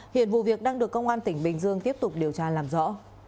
hiện vụ việc đang được công an tỉnh bình dương tiếp tục điều tra làm rõ